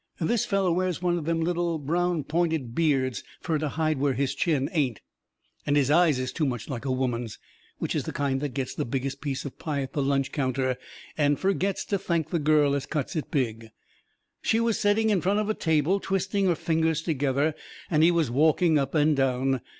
This feller wears one of them little, brown, pointed beards fur to hide where his chin ain't. And his eyes is too much like a woman's. Which is the kind that gets the biggest piece of pie at the lunch counter and fergits to thank the girl as cuts it big. She was setting in front of a table, twisting her fingers together, and he was walking up and down.